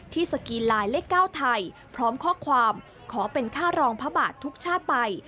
สกีไลน์เลข๙ไทยพร้อมข้อความขอเป็นค่ารองพระบาททุกชาติไป